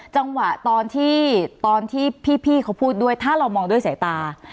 จังหวะตอนที่ตอนที่พี่เขาพูดด้วยถ้าเรามองด้วยสายตา